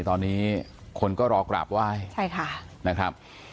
ตอนนี้คนก็รอกราบไหว้นะครับใช่ค่ะ